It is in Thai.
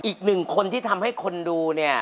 อีกหนึ่งคนที่ทำให้คนดูเนี่ย